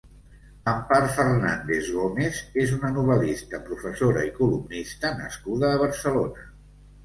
Empar Fernández Gómez és una novel·lista, professora i columnista nascuda a Barcelona.